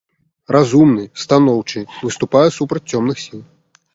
Разумны, станоўчы, выступае супраць цёмных сіл.